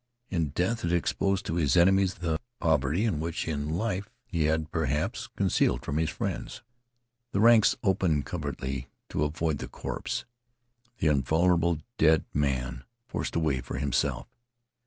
In death it exposed to his enemies that poverty which in life he had perhaps concealed from his friends. The ranks opened covertly to avoid the corpse. The invulnerable dead man forced a way for himself.